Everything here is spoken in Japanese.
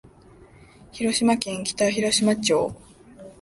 広島県北広島町